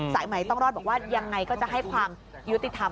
สายใหม่ต้องรอดบอกว่ายังไงก็จะให้ความยุติธรรม